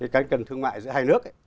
cái cân thương mại giữa hai nước